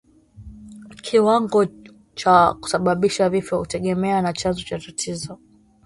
Kiwango cha kusababisha vifo hutegemea na chanzo cha tatizo